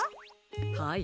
はい。